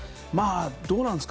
どうなんですか。